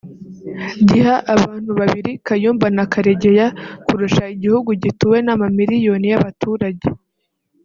giha abantu babiri (Kayumba na Karegeya) kurusha igihugu gituwe n’amamiliyoni y’abaturage